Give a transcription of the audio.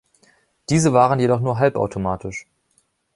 Diese waren jedoch nur halbautomatisch.